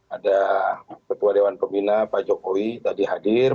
ada ketua dewan pembina pak jokowi tadi hadir